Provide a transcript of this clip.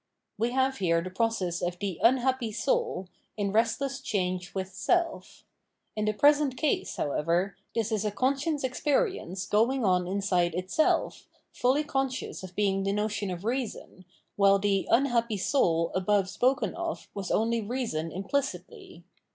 We have here the process of the " unhappy soul,"" * in restless change with self ; in the present case, however, this is a conscious ex perience going on inside itself, fully conscious of being the notion of reason, while the " unhappy soul " above spoken of was only reason imphcitly.